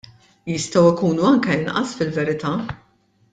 Jistgħu jkunu anke inqas fil-verità.